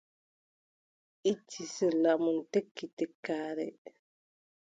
Itti sirla mum, tekki tekkaare.